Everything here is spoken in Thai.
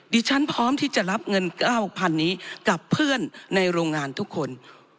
ดิฉันพร้อมที่จะรับเงิน๙๐๐นี้กับเพื่อนในโรงงานทุกคน